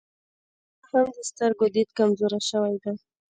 زما هم د سترګو ديد کمزوری سوی دی